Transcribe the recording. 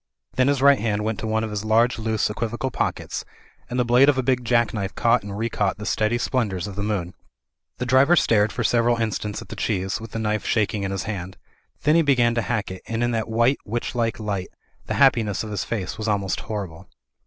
Then his right hand went to one of his large loose equivocal pockets, and the blade of a big jack knife caught and recaught the steady splen dours of the moon. The driver stared for several instants at the cheese, with the knife shaking in his hand. Then he began to hack it, and in that white witchlike light the hap* piness of his face was almost horrible.